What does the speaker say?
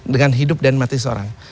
dengan hidup dan mati seorang